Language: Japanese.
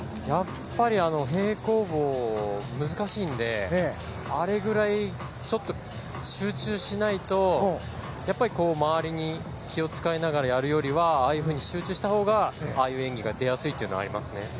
平行棒、難しいのであれぐらい集中しないとやっぱり、周りに気を使いながらやるよりはああいうふうに集中したほうがああいう演技が出やすいですね。